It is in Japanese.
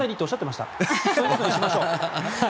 そういうことにしましょう。